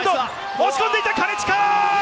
押し込んでいった金近！